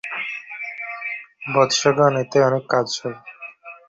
আমি রঘুপতি মায়ের সেবক থাকিতে কেমন তুমি পূজার ব্যাঘাত কর দেখিব।